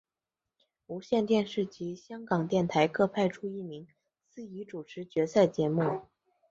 无线电视及香港电台各派出一名司仪主持决赛节目。